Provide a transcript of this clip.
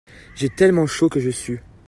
J'ai tellement chaud que je sue.